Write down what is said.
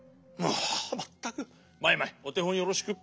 まったくマイマイおてほんよろしく！